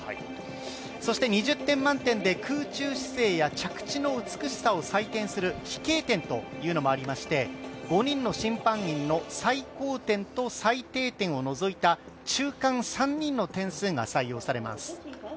そして２０点満点で、空中姿勢や着地の美しさを採点する飛型点というのもありまして５人の審判員の最高点と最低点を除いた中間３人の点数が採用されます。